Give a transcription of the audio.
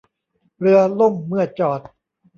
เรือล่มเมื่อจอด